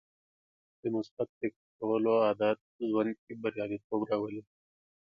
د مثبت فکر کولو عادت ژوند کې بریالیتوب راولي.